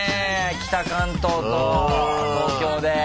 北関東と東京で。